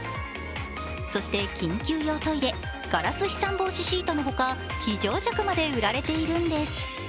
そして緊急用トイレ、ガラス飛散防止シートのほか、非常食まで売られているんです。